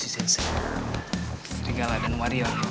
serigala dan wario